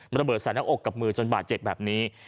มันระเบิดแสนและอกกับมือจนบาดเจ็ดแบบนี้